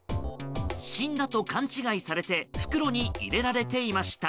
死んだと勘違いされて袋に入れられていました。